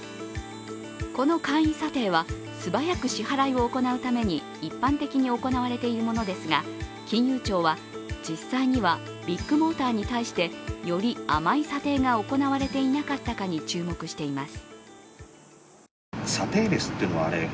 この簡易査定は素早く支払いを行うために一般的に行われているものですが金融庁は実際にはビッグモーターに対してより甘い査定が行われていなかったかに注目しています。